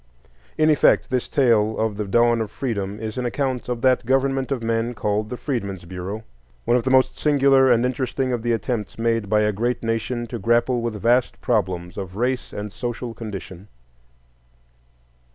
In effect, this tale of the dawn of Freedom is an account of that government of men called the Freedmen's Bureau,—one of the most singular and interesting of the attempts made by a great nation to grapple with vast problems of race and social condition.